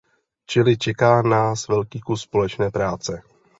Čili čeká nás velký kus společně práce.